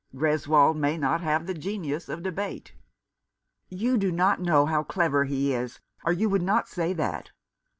Greswold may not have the genius of debate." "You do not know how clever he is, or you would not say that.